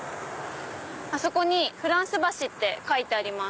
あそこに「フランス橋」って書いてあります。